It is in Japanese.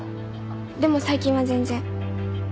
でも最近は全然。